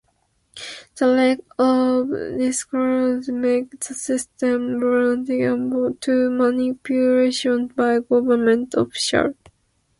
The lack of disclosure made the system vulnerable to manipulation by government officials.